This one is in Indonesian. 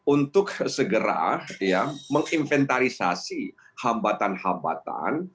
untuk segera menginventarisasi hambatan hambatan